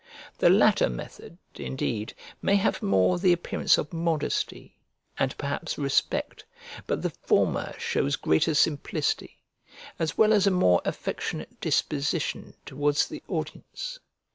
The latter method, indeed, may have more the appearance of modesty, and perhaps respect; but the former shows greater simplicity, as well as a more affectionate disposition towards the audience.